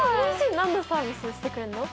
何のサービスしてくれんの？